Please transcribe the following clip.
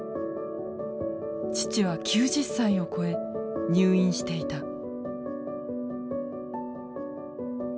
父は９０歳を越え入院していた。